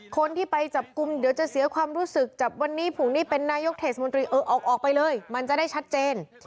คนที่ไปจับกลุ่มเดี๋ยวจะเสียความรู้สึกจับวันนี้ผงนี้เป็นนายกเทศมนตรีเออออกไปเลยมันจะได้ชัดเจน